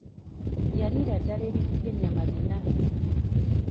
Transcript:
Yaliira ddala ebifi by'enyama bina!